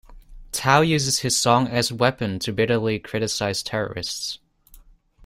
Tao uses his song as weapon to bitterly criticize terrorists.